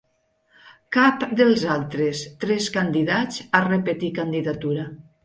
Cap dels altres tres candidats ha repetit candidatura.